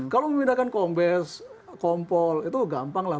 kalau memindahkan kombes kompol itu gampang lah